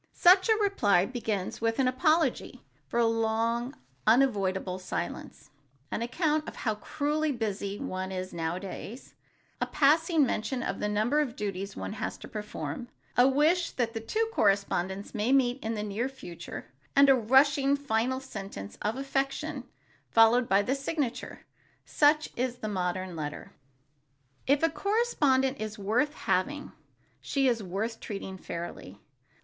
Such a reply begins with an apology for a long and unavoidable silence, an account of how cruelly busy one is nowadays, a passing mention of the number of duties one has to perform, a wish that the two correspondents may meet in the near future and a rushing final sentence of affection followed by the signature. Such is the modern letter. If a correspondent is worth having, she is worth treating fairly.